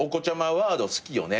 ワード好きよね。